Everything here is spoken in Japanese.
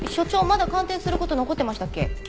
まだ鑑定する事残ってましたっけ？